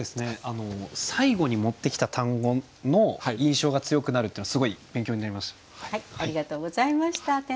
最後に持ってきた単語の印象が強くなるというのはすごい勉強になりました。